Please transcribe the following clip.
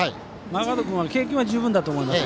マーガード君は経験は十分だと思います。